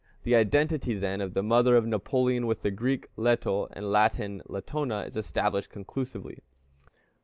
The identity, then, of the mother of Napoleon with the Greek Leto and the Latin Latona, is established conclusively.